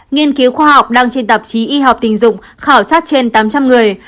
nghiên cứu khoa học đăng trên tạp chí y học tình dục khảo sát trên tám trăm linh người